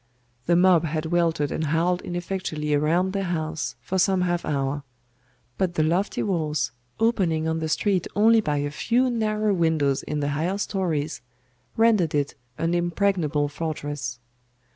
The mob had weltered and howled ineffectually around the house for some half hour. But the lofty walls, opening on the street only by a few narrow windows in the higher stories, rendered it an impregnable fortress.